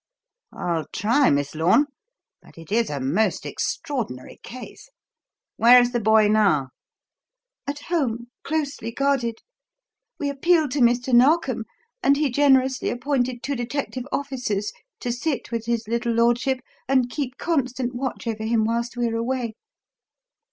"I'll try, Miss Lorne; but it is a most extraordinary case. Where is the boy, now?" "At home, closely guarded. We appealed to Mr. Narkom, and he generously appointed two detective officers to sit with his little lordship and keep constant watch over him whilst we are away."